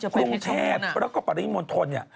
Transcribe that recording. กรุงเทพแล้วก็ปริมณมนต์ธนเนี่ย